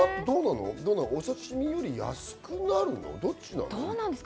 お刺し身より安くなるの？